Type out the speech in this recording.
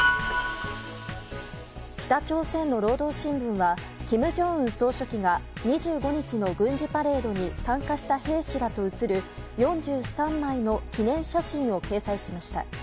北朝鮮の労働新聞は金正恩総書記が２５日の軍事パレードに参加した兵士らと写る４３枚の記念写真を掲載しました。